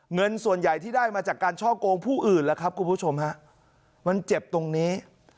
เงินส่วนใหญ่ที่ได้มาจากการช่อโกงผู้อื่นล่ะครับคุณผู้ชมฮะมันเจ็บตรงนี้